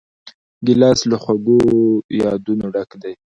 ګیلاس له خوږو یادونو ډک وي.